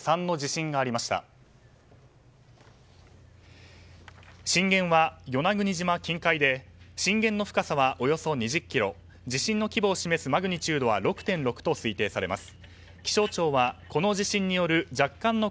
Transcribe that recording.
震源は与那国島近海で震源の深さはおよそ２０ｋｍ地震の規模を示すマグニチュードは６．６と推定されます。